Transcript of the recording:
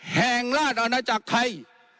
แห่งราชอาณาจักรไทย